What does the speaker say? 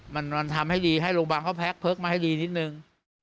มันทำให้ดีให้โรงพยาบาลเขาแพ็คเพิกมาให้ดีนิดนึง